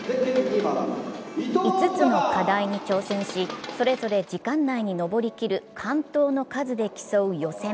５つの課題に挑戦し、それぞれ時間内に登りきる完登の数で競う予選。